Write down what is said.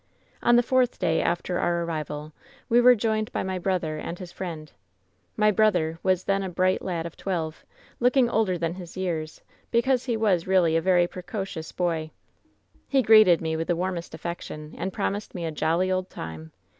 "On the fourth day after our arrival we were joined by my brother and his friend. My brother was then a bright lad of twelve, looking older than his years, be cause he was really a very precocious boy. He greeted me with the warmest affection, and promised me a ^jolly old time.'